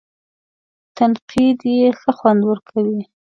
تنقید یې ښه خوند ورکوي.